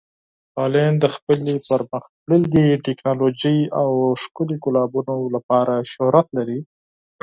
هالنډ د خپلې پرمخ تللې ټکنالوژۍ او ښکلي ګلابونو لپاره شهرت لري.